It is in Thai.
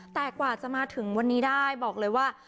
แต่กว่าจะมาถึงวันนี้ได้บอกเลยว่า